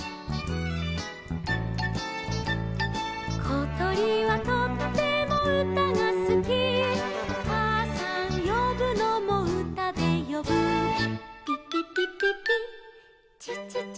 「ことりはとってもうたがすき」「かあさんよぶのもうたでよぶ」「ぴぴぴぴぴちちちちち」